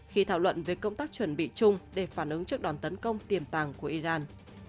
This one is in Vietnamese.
khi thảo luận về công tác chuẩn bị chung để phản ứng trước đòn tấn công tiềm tàng của iran